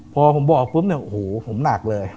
พอผมบอกปุ๊บนะหนักเลย